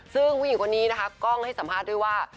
ซึ่งผู้หญิงคนนี้นะคะกล้องให้สัมภาษณ์ด้วยว่า